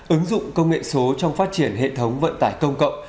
ứng dụng công nghệ số trong phát triển hệ thống vận tải công cộng